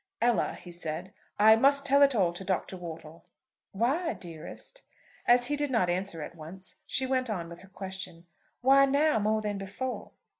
"Ella," he said, "I must tell it all to Dr. Wortle." "Why, dearest?" As he did not answer at once, she went on with her question. "Why now more than before?"